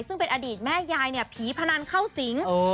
ซึ่งเป็นอดีตแม่ยายเนี่ยผีพนันเข้าสิง